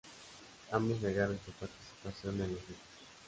Ambos negaron su participación en los hechos.